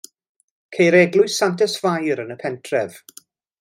Ceir eglwys Santes Fair yn y pentref.